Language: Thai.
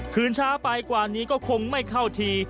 คืนช้าไปกว่านี้ก็คงไม่เข้าที